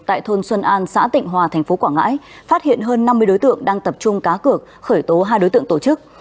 tại thôn xuân an xã tịnh hòa tp quảng ngãi phát hiện hơn năm mươi đối tượng đang tập trung cá cược khởi tố hai đối tượng tổ chức